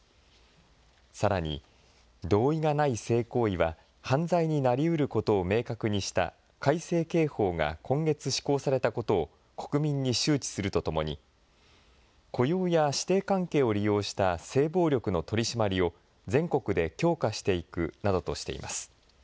さらに、同意がない性行為は犯罪になりうることを明確にした改正刑法が今月施行されたことを国民に周知するとともに、雇用や師弟関係を利用した性暴力の取締りを全国で強化していくなどとしています。